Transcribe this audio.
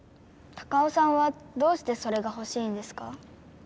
タカオさんはどうしてそれがほしいんですか？